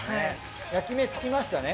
焼き目つきましたね。